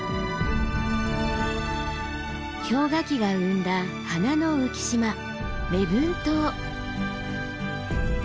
氷河期が生んだ花の浮島礼文島。